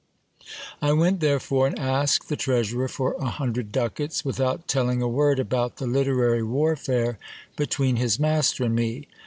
I went therefore and asked the treasurer for a hundred ducats, without telling a word about the literary warfare between his master and me.